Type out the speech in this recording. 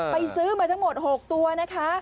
ซื้อมาทั้งหมด๖ตัวนะคะ